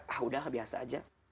ah udah biasa aja